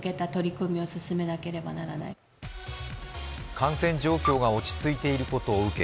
感染状況が落ち着いていることを受け